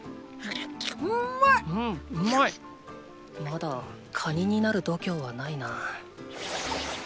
まだカニになる度胸はないな。